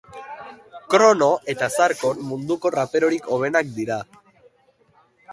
Zorrotzagoak izanez gero, egungo geografoek bi mendikate desberdintzen dituzte.